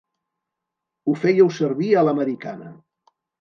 Ho fèieu servir a l'americana.